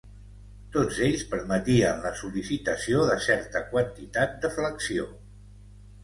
Tots ells permetien la sol·licitació de certa quantitat de flexió.